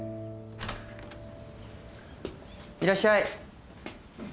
いらっしゃい。